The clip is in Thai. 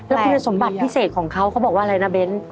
แล้วคุณสมบัติพิเศษของเขาเขาบอกว่าอะไรนะเบ้น